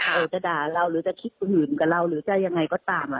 จะด่าเราหรือจะคิดคนอื่นกับเราหรือจะยังไงก็ตาม